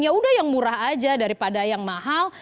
ya sudah yang murah saja daripada yang mahal